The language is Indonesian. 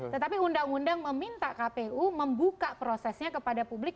tetapi undang undang meminta kpu membuka prosesnya kepada publik